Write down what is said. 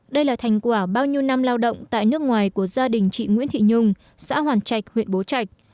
đây là thành quả bao nhiêu năm lao động tại nước ngoài của gia đình chị nguyễn thị nhung xã hoàn trạch huyện bố trạch